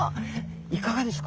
いかがですか？